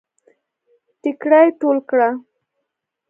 ټيکړی ټول کړه